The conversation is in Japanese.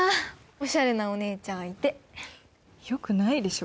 オシャレなお姉ちゃんいてよくないでしょ